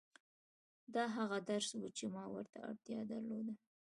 دا هغه درس و چې ما ورته اړتيا درلوده.